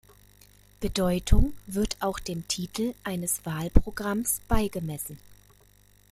Bedeutung wird auch dem Titel eines Wahlprogramms beigemessen.